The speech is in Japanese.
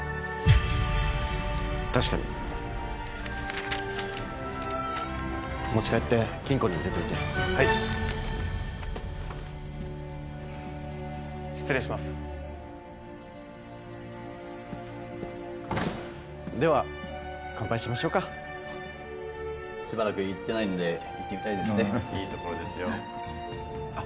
確かに持ち帰って金庫に入れといてはい失礼しますでは乾杯しましょうかしばらく行ってないので行ってみたいですねいいところですよあっ